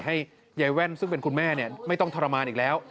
ให้ยายแว่นซึ่งเป็นคุณแม่ไม่ต้องทรมานอีกแล้ว